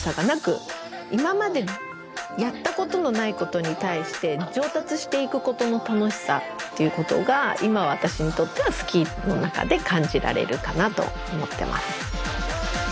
今までやったことのないことに対して上達していくことの楽しさっていうことが今私にとってはスキーの中で感じられるかなと思ってます。